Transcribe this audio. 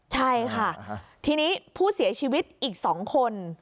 ใช่ค่ะทีนี้ผู้เสียชีวิตอีก๒คน